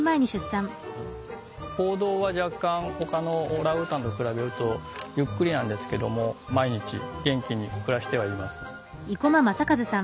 行動は若干ほかのオランウータンと比べるとゆっくりなんですけども毎日元気に暮らしてはいます。